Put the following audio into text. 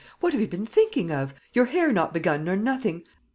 what have you been thinking of? Your hair not begun nor nothing!